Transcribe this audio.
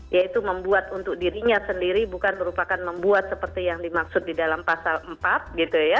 yaitu membuat untuk dirinya sendiri bukan merupakan membuat seperti yang dimaksud di dalam pasal empat gitu ya